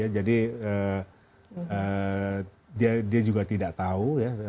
jadi dia juga tidak tahu